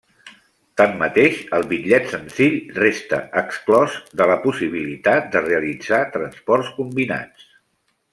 Tanmateix el bitllet senzill resta exclòs de la possibilitat de realitzar transports combinats.